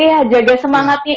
iya jaga semangatnya